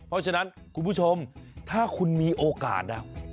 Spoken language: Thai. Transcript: เพราะฉะนั้นคุณผู้ชมถ้าคุณมีโอกาสนะ